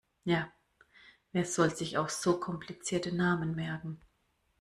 Ja, wer soll sich auch so komplizierte Namen merken!